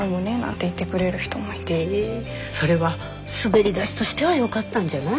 へえそれは滑り出しとしてはよかったんじゃない？